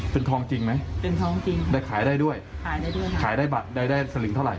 เป็นทองจริงไหมเป็นทองจริงได้ขายได้ด้วยขายได้ด้วยขายได้บัตรได้ได้สลิงเท่าไห